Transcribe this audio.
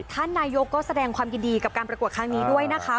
ท่านนายกก็แสดงความยินดีกับการประกวดครั้งนี้ด้วยนะคะ